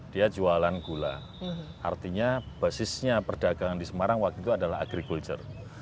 dia jualan gula artinya basisnya perdagangan di semarang waktu itu adalah agrikulture